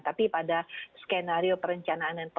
tapi pada skenario perencanaan